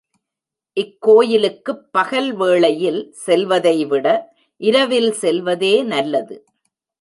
இக்கோயிலுக்குப் பகல் வேளையில் செல்வதைவிட இரவில் செல்வதே நல்லது.